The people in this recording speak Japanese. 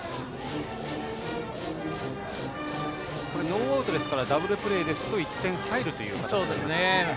ノーアウトですからダブルプレーですと１点入るという形になります。